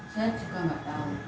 saya juga gak tau